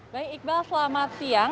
baik iqbal selamat siang